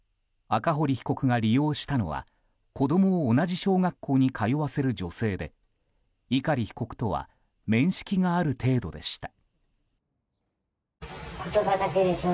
赤堀被告が利用したのは子供を同じ小学校に通わせる女性で碇被告とは面識がある程度でした。